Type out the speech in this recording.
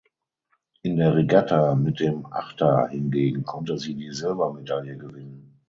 In der Regatta mit dem Achter hingegen konnte sie die Silbermedaille gewinnen.